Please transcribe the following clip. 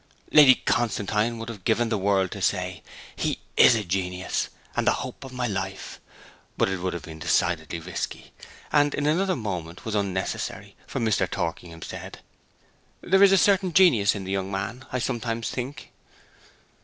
Lady Constantine would have given the world to say, 'He is a genius, and the hope of my life;' but it would have been decidedly risky, and in another moment was unnecessary, for Mr. Torkingham said, 'There is a certain genius in this young man, I sometimes think.'